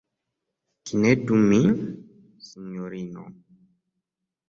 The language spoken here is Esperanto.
Knedu min, sinjorino!